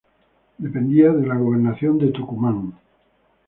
Dependía de la gobernación del Tucumán.